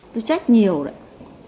tôi trách nhiều đấy